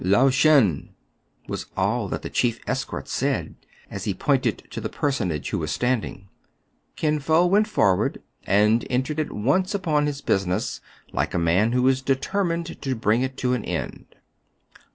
*' Lao Shen !" was all that the chief escort said, as he pointed to the personage who was standing. Kin Fo went forward, and entered at once upon his business, like a man who is determined to bring it to an end.